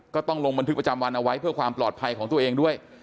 ก็ต้องลงบันทึกประจำวันเอาไว้เพื่อความปลอดภัยของตัวเองด้วย